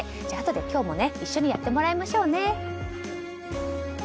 じゃあ、あとで今日も一緒にやってもらいましょうね。